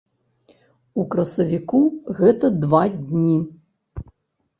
У красавіку гэта два дні.